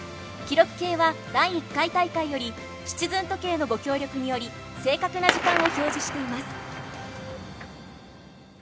記録計は第１回大会よりシチズン時計のご協力により正確な時間を表示しています。